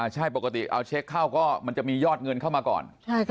ใช่ปกติเอาเช็คเข้าก็มันจะมียอดเงินเข้ามาก่อน